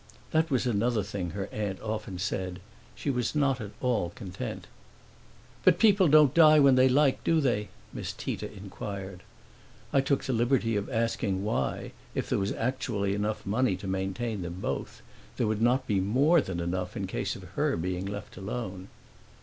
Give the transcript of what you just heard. That was another thing her aunt often said she was not at all content. "But people don't die when they like, do they?" Miss Tita inquired. I took the liberty of asking why, if there was actually enough money to maintain both of them, there would not be more than enough in case of her being left alone.